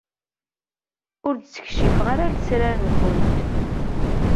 Ur d-ttkeccifeɣ ara lesrar-nkent.